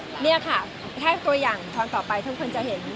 มีค่ะเนี่ยค่ะถ้าตัวอย่างทอนต่อไปทุกคนจะเห็นว่า